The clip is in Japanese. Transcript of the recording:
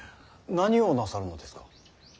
何をなさるのですか。